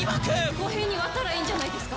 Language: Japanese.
公平に割ったらいいんじゃないですか？